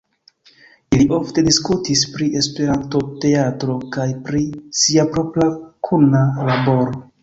Ili ofte diskutis pri esperantoteatro kaj pri sia propra kuna laboro.